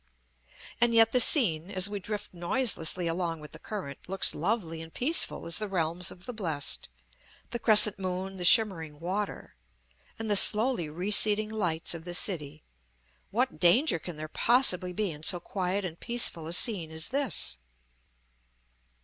And yet the scene, as we drift noiselessly along with the current, looks lovely and peaceful as the realms of the blest; the crescent moon, the shimmering water and the slowly receding lights of the city; what danger can there possibly be in so quiet and peaceful a scene as this?